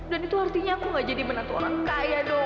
dan itu artinya aku gak jadi menantu orang kaya dong